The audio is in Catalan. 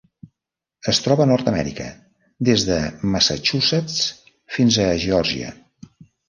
Es troba a Nord-amèrica: des de Massachusetts fins a Geòrgia.